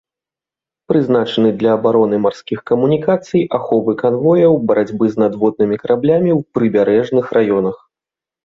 Прызначаны для абароны марскіх камунікацый, аховы канвояў, барацьбы з надводнымі караблямі ў прыбярэжных раёнах.